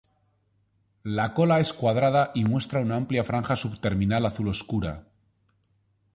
La cola es cuadrada y muestra una amplia franja subterminal azul oscura.